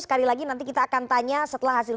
sekali lagi nanti kita akan tanya setelah hasil